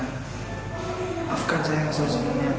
maafkan saya sebesarnya